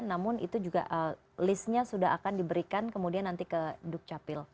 namun itu juga listnya sudah akan diberikan kemudian nanti